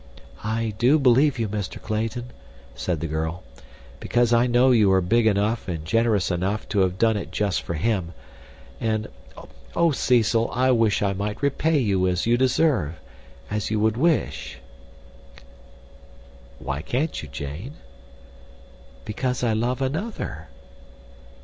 "I do believe you, Mr. Clayton," said the girl, "because I know you are big enough and generous enough to have done it just for him—and, oh Cecil, I wish I might repay you as you deserve—as you would wish." "Why can't you, Jane?" "Because I love another."